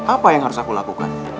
apa yang harus aku lakukan